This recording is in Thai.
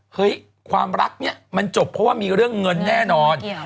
ความรักเนี่ยมันจบเพราะว่ามีเรื่องเงินแน่นอน